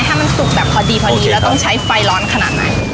ให้มันสุกแบบพอดีพอดีโอเคครับแล้วต้องใช้ไฟร้อนขนาดไหน